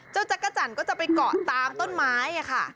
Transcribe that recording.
จักรจันทร์ก็จะไปเกาะตามต้นไม้ค่ะ